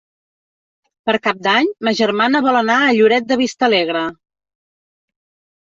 Per Cap d'Any ma germana vol anar a Lloret de Vistalegre.